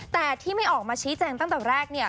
แต่ที่ไม่ออกมาชี้แจงตั้งแต่แรกเนี่ย